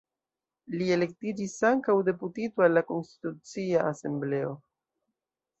Li elektiĝis ankaŭ deputito al Konstitucia Asembleo.